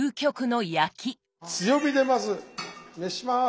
強火でまず熱します！